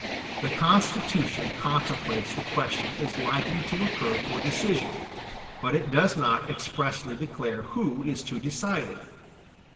The Constitution contemplates the question as likely to occur for decision, but it does not expressly declare who is to decide it.